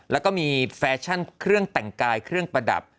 แล้วก็มีแฟชั่นเครื่องแต่งกายเครื่องประดับ